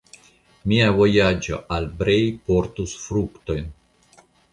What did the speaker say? Mia vojaĝo al Brej portus fruktojn.